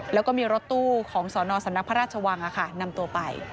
แล้วก็มีรถตู้ของสนสำนักพระราชวังนำตัวไป